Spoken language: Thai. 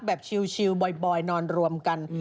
พักแบบชิลบ่อยนอนรวมกัน